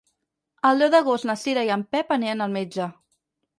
El deu d'agost na Cira i en Pep aniran al metge.